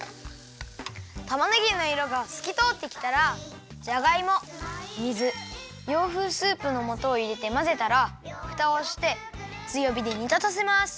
たまねぎのいろがすきとおってきたらじゃがいも水洋風スープのもとをいれてまぜたらふたをしてつよびでにたたせます。